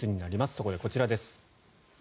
そこでこちらです。